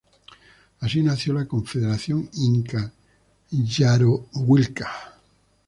Así nació la Confederación Inca–Yarowilca.